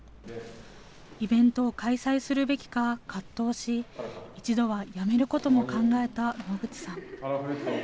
イベントを開催するべきか葛藤し、一度はやめることも考えた野口さん。